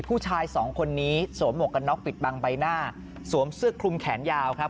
ผู้ชายสองคนนี้สวมหมวกกันน็อกปิดบังใบหน้าสวมเสื้อคลุมแขนยาวครับ